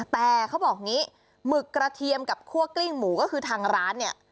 แต่เขาบอกอย่างนี้หมึกกระเทียมกับคั่วกลิ้งหมูก็คือทางร้านเนี่ย